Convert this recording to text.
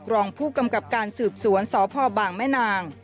รองผู้กำกับการสืบสวนสพบางแม่นาง